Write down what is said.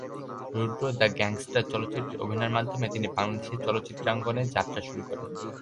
Rudra the gangster চলচ্চিত্রে অভিনয়ের মাধ্যমে তিনি বাংলাদেশের চলচ্চিত্রাঙ্গনে যাত্রা শুরু করেন।